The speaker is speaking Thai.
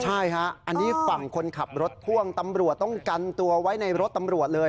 ใช่ฮะอันนี้ฝั่งคนขับรถพ่วงตำรวจต้องกันตัวไว้ในรถตำรวจเลย